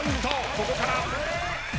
ここから。